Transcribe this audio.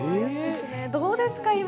どうですか？